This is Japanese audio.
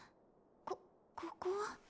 こここは？